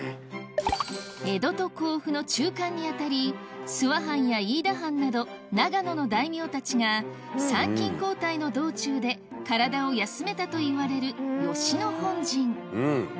江戸と甲府の中間に当たり諏訪藩や飯田藩など長野の大名たちが参勤交代の道中で体を休めたといわれる吉野本陣